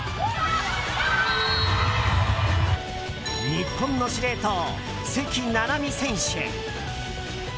日本の司令塔、関菜々巳選手。